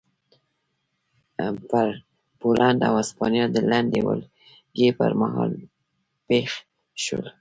پر پولنډ او هسپانیا د لنډې ولکې پرمهال پېښ شول.